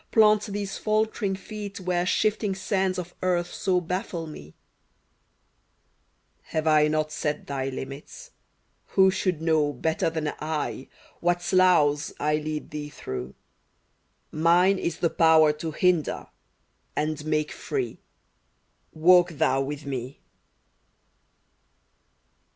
plant these faltering feet Where shifting sands of Earth so baffle me ? Have I not set thy limits ? Who should know, Better than /, what sloughs I lead thee through f Mine is the power to hinder — and make free : Walk thou with me